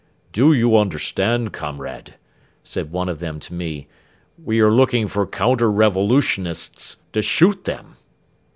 "Do you understand, 'Comrade,'" said one of them to me, "we are looking for counter revolutionists to shoot them?"